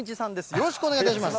よろしくお願いします。